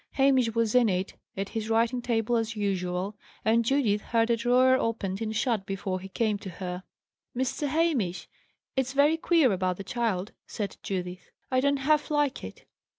Hamish was in it, at his writing table as usual, and Judith heard a drawer opened and shut before he came to her. "Mr. Hamish, it's very queer about the child!" said Judith. "I don't half like it."